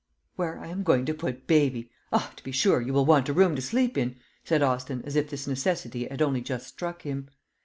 "Where I am going to put baby! Ah, to be sure, you will want a room to sleep in," said Austin, as if this necessity had only just struck him.